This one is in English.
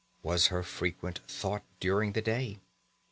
was her frequent thought during the day.